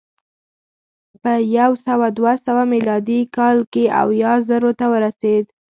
په یو سوه دوه سوه میلادي کال کې اویا زرو ته ورسېد